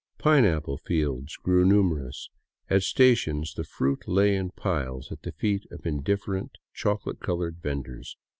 Pineapple fields grew numerous; at sta tions the fruit lay in piles at the feet of indifferent chocolate colored vendors.